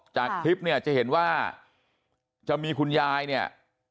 จากคลิปเนี่ยจะเห็นว่าจะมีคุณยายเนี่ย